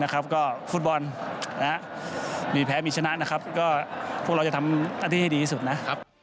ก็ฟุตบอลมีแพ้มีชนะนะครับก็พวกเราจะทำหน้าที่ให้ดีที่สุดนะครับ